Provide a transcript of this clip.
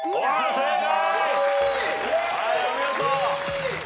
正解。